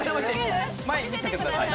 前に見せてください。